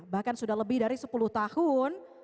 bahkan sudah lebih dari sepuluh tahun